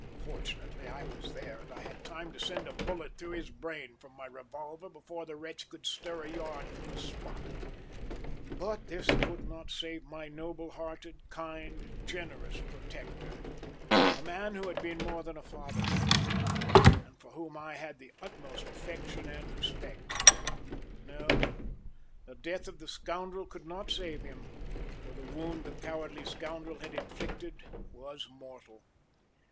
Fortunately, I was there, and I had time to send a bullet through his brain from my revolver before the wretch could stir a yard from the spot; but this could not save my noble hearted, kind, generous protector, a man who had been more than a father to me, and for whom I had the utmost affection and respect. No; the death of the scoundrel could not save him, for the wound the cowardly scoundrel had inflicted was mortal.